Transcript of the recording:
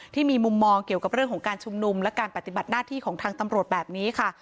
ที่มีมุมมองเกี่ยวกับเรื่องของการชุมนุมและการปฏิบัติหน้าที่ของทางตำรวจแบบนี้ค่ะ